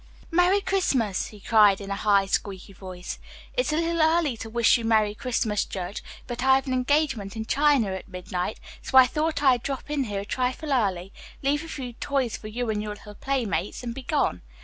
"Merry Christmas," he cried in a high squeaky voice. "It's a little early to wish you Merry Christmas, judge, but I've an engagement in China at midnight so I thought I'd drop in here a trifle early, leave a few toys for you and your little playmates and be gone.